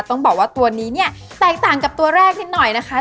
ต้องบอกว่าตัวนี้เนี่ยแตกต่างกับตัวแรกนิดหน่อยนะคะ